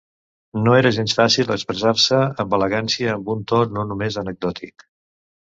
No era gens fàcil expressar-se amb elegància i amb un to no només anecdòtic.